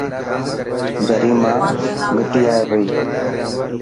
دري مان مٺي آئي پئي.